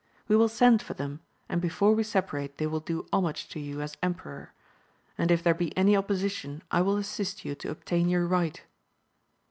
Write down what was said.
We will send for them, and before we separate they will do homage to you as emperor ; and if there be any opposition, I will assist AMADIS OF GAUL.^ 243 you to obtain your right.